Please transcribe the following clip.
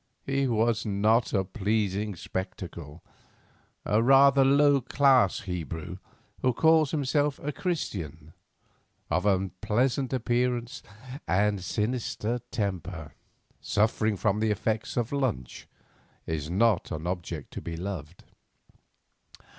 He was not a pleasing spectacle. A rather low class Hebrew who calls himself a Christian, of unpleasant appearance and sinister temper, suffering from the effects of lunch, is not an object to be loved.